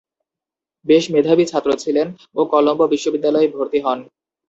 বেশ মেধাবী ছাত্র ছিলেন ও কলম্বো বিশ্ববিদ্যালয়ে ভর্তি হন।